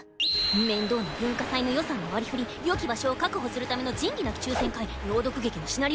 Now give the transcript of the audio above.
面倒な文化祭の予算の割りふりよき場所を確保するための仁義なき抽選会朗読劇のシナリオ